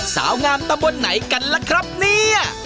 สาวงามตะบนไหนกันล่ะครับเนี่ย